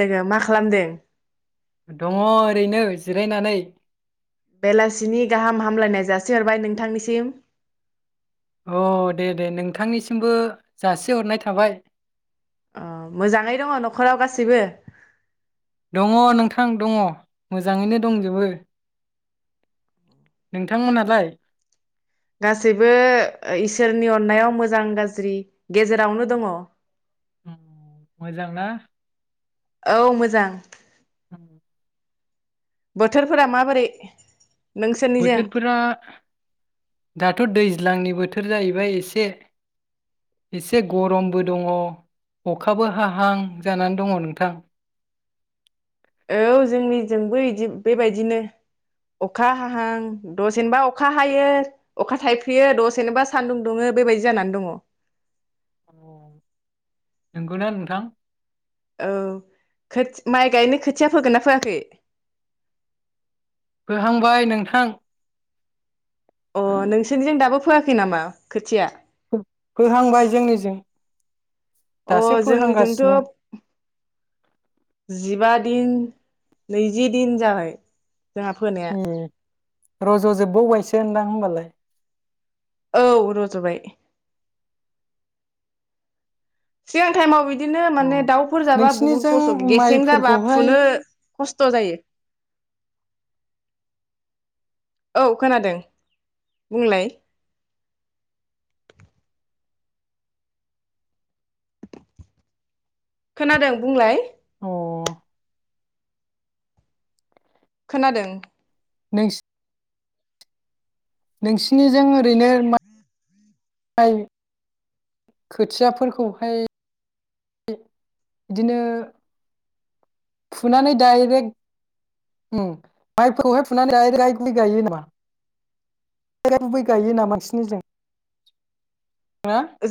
लोगोआ मा खालामदों? दङ ओरैनो जिरायनानै। बेलासिनि गाहाम हामलायनाय जासिहरबाय नोंथांनिसिम। अ दे दे नोंथांनिसिमबो जासिहरनाय थाबाय। अ मोजाङै दङ न'खराव गासिबो? दङ नोंथां दङ मोजाङैनो दंजोबो नोंथांमोनालाय? गासैबो इसोरनि अननायाव मोजां गाज्रि गेजेरावनो दङ। उम मोजांना? औ मोजां। उम, बोथोरफोरा माबोरै? नोंसोरनिजों बोथोरफोरा दाथ' दैज्लांनि बोथोर बोथोर जाहैबाय एसे एसे गरमबो दङ अखाबो हाहां जानानै दङ नोंथां। औ जोंनिजोंबो यिदि बेबायदिनो अखा हाहां दसेनोबा अखा हायो अखा थाइफ्रियो दसेनोबा सानदुं दुङो बेबायदि जानानै दङ। नोंगौना नोंथां। औ खोथ माइ गायनो खोथिया फोगोन ना फोयाखै। फोहांबाय नोंथां। अ नोंसोरनिजों दाबो फैवाखै नामा खोथिया फोहांबाय जोंनिजों अ दासो फोहांगासिनो जोंनिजोंथ' जिबा [unintelligible] दिन नैजिदिन जाबाय। जोंहा फोनाया। ज' जोबबावबायसो होनदां होमबालाय। औ रज'बाय। सिगां टाइमाव बिदि बिदिनो अ माने दाउफोर जाबा बुहुत नोंसिनिजों खस्थ' गेसें जाबा माइफोरखौहाय फुनो अ खस्थ' जायो। औ खोनादों बुंलाय खोनादों बुंलाय। अ। खोनादों। नों [unintelligible] नोंसिनिजों ओरैनो माइ खोथियाफोरखौहाय बिदिनो ‌ फुनानै डाइरेक्ट माइफोरखौहाय फुनानै डायरेक्ट आइ गायो नामा गै गायो ना बांसिनि जों [unintelligible]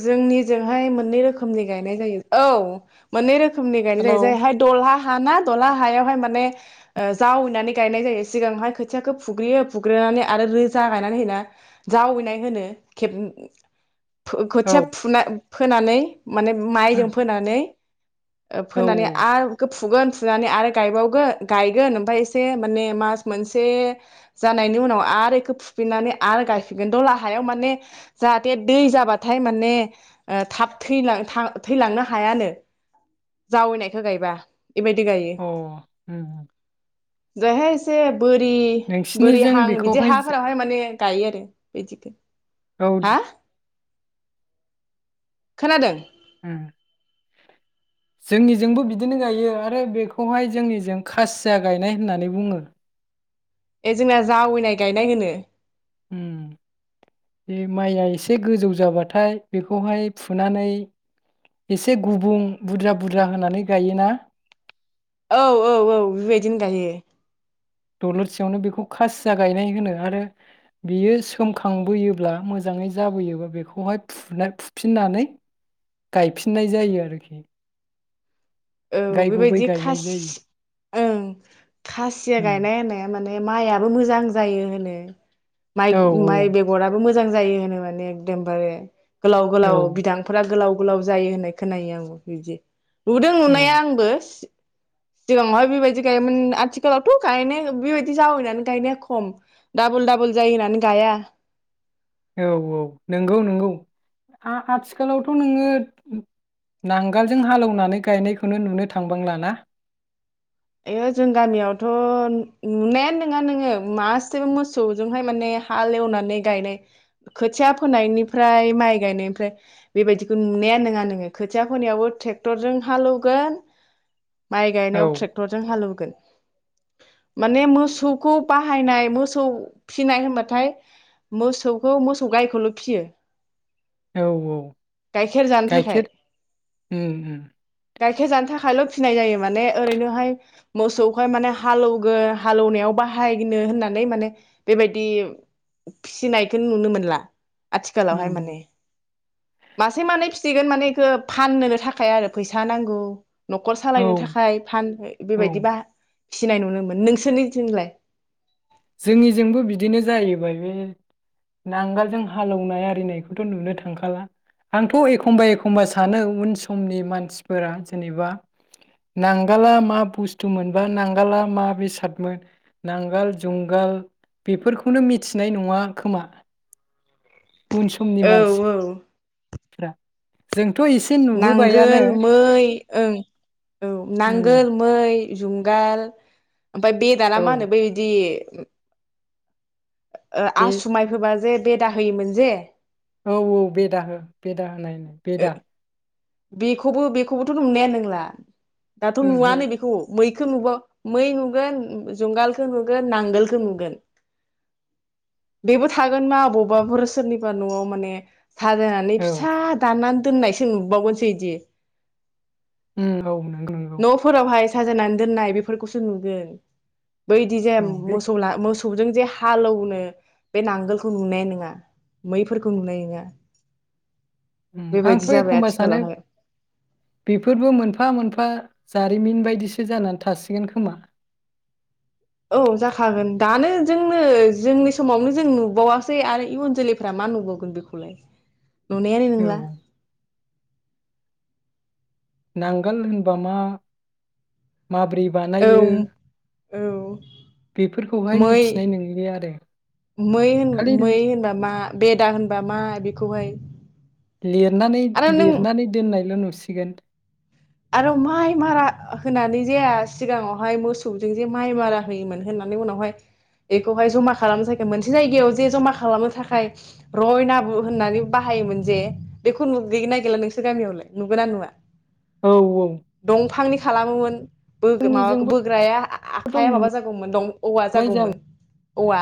जोंनिजोंहाय मोननै रोखोम गनाय जायो औ मोनै रोखोम रोखोमनि गायनाय जायो हेलौ जायहा दलहा हाना दला हायावहाय माने जावैनानै गायनाय जायो सिगांहाय खोथियाखौ फुग्रियो फुग्रोननानै आरो रोजा गायनानै होनाा जावैनाय होनो खेबनै औ खोथिया फुना [unintelligible] फोनानै माने माइजों फोनानै औ फोनानै आरो फुगोन फुनानै आरो गायबावगोन गायगोन ओमफ्राय इसे माने मास मोनसे जानायनि उनाव आरो बिखौ फुफिननानै गायफिनगोन दला हायाव माने जाहाथे दै जाबाथाय हाथाय माने ओ थाब थैलांनो हायानो जावैनायखौ गायबा बेबायदि गायो औ अ जायहाय से बोरि बोरि नोंसिनिजों हां बिदि बेखौहाय हाफोरावहाय माने गायो आरो बिदिखो औ दे खोनादों ओ जोंनिजोंबो बिदिनो गायो आरो बेखौहाय जोंनिजों खासिया गायनाय होननानै बुङो। ए जोंना जावैनाय गायनाय होनो बे माइया एसे गोजौ जाबाथाय बेखौहाय फुनानै एसे गुबुं बुरजा बुरजा होनानै गायोना? औ औ औ बेबायदिनो गायो दलोरसेयावनो बेखौ खासिया गायनाय होनो आरो बियो सोमखांबोयोब्ला मोजाङै जाबोयोबा बेखौहाय फु फुफिननानै गायफिननाय जायो आरोखि। औ गाय गुबै बेबायदि गायनाय जायो खासि ओं खासिया उम। गायनाया होननाया माने माइआ बी मोजां जायो होनो। माइ औ माइ बेगराबो मोजां मोजां जायो होनो माने एकदमबारे गोलाव औ गोलाव बिदांफोरा गोलाव गलाव जायो होननाय खोनायो आंबो बिदि नुदों औ [unintelligible] आंबो सिगाङावहाय बेबायदि गायोमोन आथिखालावथ' गायनाया बेबायदि जावैनानै गायनाया खम डाबोल डाबोल जायो होनानै गाया। औ औ नंगौ नंगौ आथिखालावथ' नोङो नांगोलजों हालेवनानै गायनायखौनो नुनो थांबांला ना? यो जों गामियावथ' नुनायानो नङा नोङो मासे मोसौजोंहाय माने हाल एवनानै गायनाय खोथिया फोनायनिफ्राय माइ गायनायनिफ्राय बेबायदिखौ नुनाया नङा नोङो खोथिया फोनायावबो ट्रेक्टरजों हाल ऐवगोन माइ औ गायनायाव ट्ररेकटरजीं हालेवगोन माने मोसौखौ बाहायनाय मोसौ फिनाय होनबाथाय मोसौखौ मोसौ गायखौल' फियो औ औ गाइखेर जानो थाखाय गाइखेर उम उम गाइखेर जानो थाखायल' फिनाय जायो। माने ओरैनोहाय मोसौखौहाय माने हालेगोन हालौनायाव बाहायनो होननानै माने बेबायदि फिनायखौ नुनो मोनला। आथिखालावहाय उम, माने मासे मानै मिथिगोन माने बेखौ फाननो थाखाय आरो फैसा नांगौ न'खर औ सालायनो थाखाय फानो औ बेबायदिबा फिनाय नुनो मोनो नोंसोरनिथिंलाय? जोंनिजोंबो बिदिनो जाहैबायलै नांगोलजों हालौवनाय आरिनायखौथ' नुनो थांखाला आंथ' एखमबा एखमबा सानो उन समनि मानसिफोरा जेनेबा नांगाला मा बुस्थुमोनबा नांगाला मा बेसादमोन नांगोल जुंगाल बेफोरखौनो मिथिनाय नङा खोमा उन समनि औ मानसि औ जों नांगोल मै ओं औ उम नांगोल मै जुंगाल ओमफय बे दाना औ मा होनो बे बिदि [inaudible] ओ बे आसुमाय फोबा जे बेदा होयोमोन जे औ औ बेदा हो बेदा होनाय बेदा बेखौबो बेखौबोथ' नुनायानोंला। दाथ' ओहो नुवानो बेखौ मै खो बो मै नुगोन जुंगालखौ नुगोन नांगोलखौ नुगोन बेबो थागोन मा अबावबाफोर सोरनिबा न'आव माने साजायनानै औ फिसा दाननानै दोननायसो नुबावगोन। [unintelligible] उम औ नोंगौ नोंगौ। न'फोरावहाय साजायनानै दोननाय बेफोरखौसो नुगोन। बैदि औ जेम बे मोसौ ला मोसौ सौजों जे हालौनो बे नांगोलखौ नुनाय नोंङा मैफोरखौ नुनाय नोंङा। उम आंथ' एखम्बा माने बेफोरबो मोनफा मोनफा जारिमिन बायदिसो जानानै थासिगोन खोमा। औ जाखागोन दानो जोंनो जोंनि समावनो जों नुबावासै आरो इयुन जोलैफ्रा मा नुबावगोन बेखौलाय। नुनायानो औ नोंला। नांगोन होनबा मा माब्रै बानायो औम औ बेफोरखौहाय मै मिथिनाय नंलिया आरो मै होन खालि मै होनबा मा बेदा होनबा मा बे खौहाय लिरनानै लिरनानै दोननायल' नुसि गोन। आरो माइ मारा होनानै जे सिगाङावहाय मोसौजों जे माइ मारा होयोमोन होननानै उनावहाय बेखौहाय जमा खालाम जायखौ मोनसे जायगायाव जे जमा खालामनो थाखाय रयना होननानै बाहायोमोन जे बेखौ नु गैगोना गैला नोंसोर गामियावलाय नुगोन ना नुवा। औ औ दंफांनि खालामोमोन। बो माबा जोंनिजोंबोथ' बोग्राया आ-आखाइया माबा जागौमोन दं औवा नुनाय जागौमोन जाला औवा।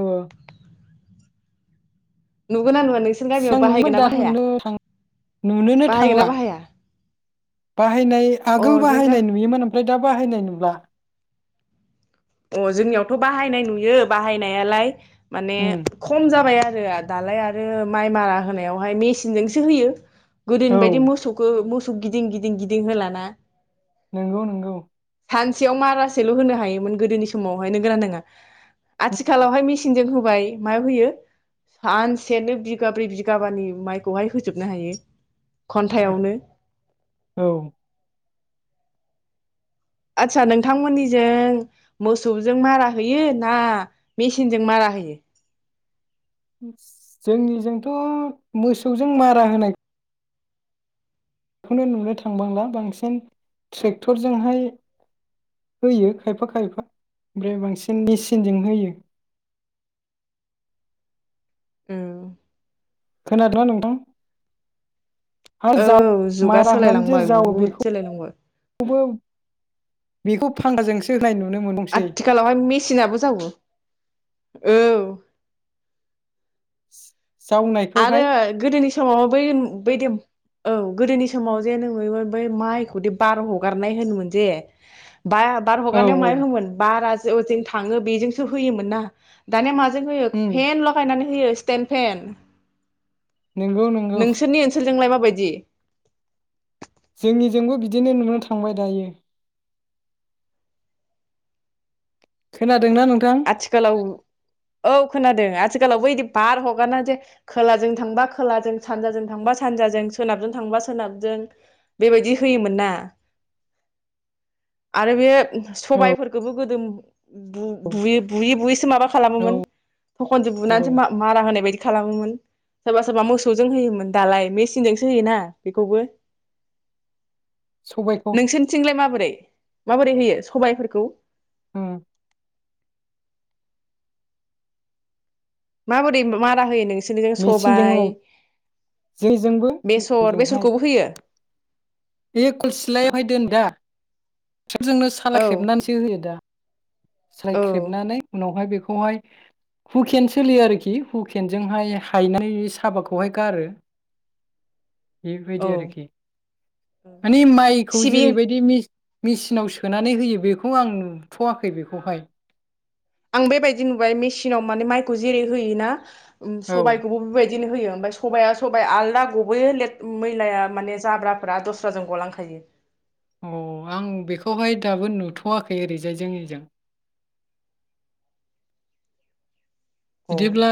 ओ नु सिगां नुयोमोन दा नुनो थां नुनोनो बाहायगोन ना थांला बाहाया बाहायनाय अ आगोल जों बाहायनाय नुयोमोन ओमफ्राय दा बाहायनाय नुला। अ जोंनियावथ' बाहायनाय नुयो बाहायनायालाय माने उम खम जाबाय आर रो दालाय आरो माइ मारा होनायावहाय मेचिनजोंसो होयो। गोदोनि औ बायदि मोसौखौ मोस सौ गिदिं गिदिं गिदिं होलाना। नोंगौ नोंगौ सानसेयाव मारासेल' होनो हायोमोन। गोदोनि समावहायनो [unintelligible] उम आथिखालावहाय मिचिनजों हो बाय मा होयो सानसेनो बिगाब्रै बिगाबानि माइखौहाय होजोबनो हायो नंगौ। खन्थायावनो औ आतसा नोंथांमोननिजों मोसौजों मारा होयो ना मेसिनजों मारा होयो जोंनिजोंथ' मोसौजों मारा होनाय खौनो नुनो थांबांला बांसिन ट्रेक्टरजोंहाय होयो खायफा खायफा ओमफ्राय बांसिन मेचिनजों होयो उम खोनादों ना नोंथां आरो जाव औ जुगा मारा होनानै जे सोलायलांबाय जावो बुहुद सोलायलांबाय बेखौबो बेखौ फांखाजोंसो होनाय नुनो मोनदोंसै आथिखालावहाय मेसिनाबो जावो औ आरो जावनायखौहाय गोदोनि समाव बै-बैदोम औ गोदोनि समाव जे नों [unintelligible] बै माइखौदि बार हगारनाय होनोमोन जे बा-बार औ हगारनायाव औ माय होमोन बारा अयदों थाङो बेजोंसो होयोमोन ना दानिया मा जों होयो उम फेन लगायनानै होयो स्तेनफेन नंगौ नंगौ नोंसोरनि ओनसोलजोंलाय मा बायदि जोंनिजोंबो बिदिनो नुनो थांबाय दायो खोना आथिखालाव औ खोनादों आ आथिखालावबो बिदि बार हगारा जे खोलाजों थांबा खोलाजों सानजाजों थांबा सानजाजों सोनाबजों थांबा सोनाबजों बेबायदि होयोमोन ना आरो बे औ सबायफोरखौबो गोदो बु औ बुयै बुयैसो माबा औ खालामोमोन थखनजों औ बुनानैसो मारा होनाय बायदि खालामोमोन सोरबा सोरबा मोसौजों होयोमोन दालाय मेचिनजोंसो होयोना बेखौबो सबायखौ नोंसोरनिथिंलाय माबोरै - माबोरै होयो सबायफोरखौ [unintelligible] माबोरै मारा होयो नों सोरनिजों मेचिनजों सबाय, औ जोंजोंबो बेसर ओजोंहाय बेसरखौबो होयो बे खलसिलायावहाय दोनदा जोंनो औ सलाायख्रेबनानैसो होयो दा औ सालायख्रेबनानै उनावहाय बे बेखौहाय हुकेन सोलियो आरोखि हुकेनजोंहाय हायनानै साबाखौहाय गारो औ बेबायदि आरोखि औ माने माइखौ सिबिं जेरैबायदि मि मेचिनाव सोनानै होयो बेखौ आं नुथ'वाखै बेखौहाय। आं बेबायदि नुबाय मेसिनाव माने माइखौ जेरै होयोना उ औ सबायखौबो बेबायदि बिदिनो होयो ओमफ्राय सबाया सबाइ आलदा गबोयोे मै मैलाया माने जाब्राफोरा दस्राजों गलांखायो। अ आं बेखौहाय दाबो नुथ'वाखै ओरैजाय जोंनिजों। औ बिदिब्ला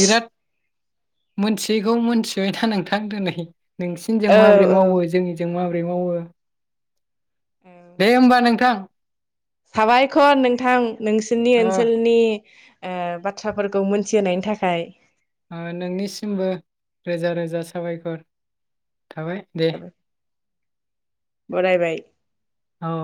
बिराद मोनथियैखौ मोनथिबायथा नोंथां दिनै नोंसिनिजों औ माबोरै औ मावो जोंनिजों माबोरै मावो दे होमबा नोंथां। साबायखर नोंथां। नोंसोरनि ओ ओनसोलनि ओ बाथ्राफोरखौ मोनथिहोनायनि थाखाय। ओ नोंनिसिमबो रोजा-रोजा साबायखर। थाबाय दे। बरायबाय। औ।